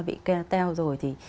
bị teo rồi thì